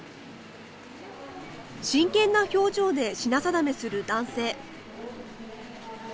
真剣な表情で品定めする男性。